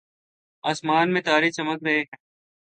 آسمان میں تارے چمک رہے ہیں